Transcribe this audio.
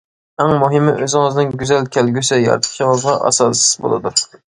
ئەڭ مۇھىمى ئۆزىڭىزنىڭ گۈزەل كەلگۈسى يارىتىشىڭىزغا ئاساس بولىدۇ.